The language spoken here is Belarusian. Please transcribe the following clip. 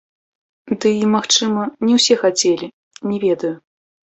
Ды і, магчыма, не ўсе хацелі, не ведаю.